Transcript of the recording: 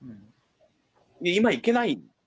今行けない。